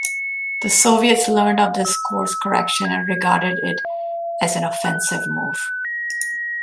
The Soviets learned of this course correction and regarded it as an offensive move.